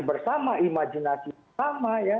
bersama imajinasi bersama